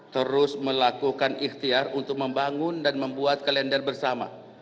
terus melakukan ikhtiar untuk membangun dan membuat kalender bersama